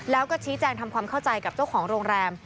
แล้วก็ชี้แจงทำความเข้าใจกับเจ้าของโรงแรม